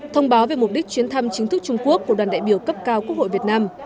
thông báo về mục đích chuyến thăm chính thức trung quốc của đoàn đại biểu cấp cao quốc hội việt nam